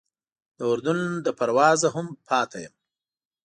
د اردن له پروازه هم پاتې یم.